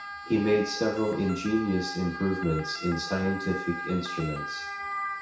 He made several ingenious improvements in scientific instruments.